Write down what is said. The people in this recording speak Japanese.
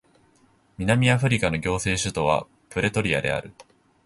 南アフリカの行政首都はプレトリアである